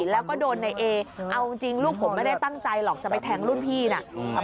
แล้วก็โดนในเอเอาจริงลูกผมไม่ได้ตั้งใจหรอกจะไปแทงรุ่นพี่นะ